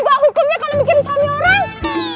mbak hukumnya kalau mikirin suami orang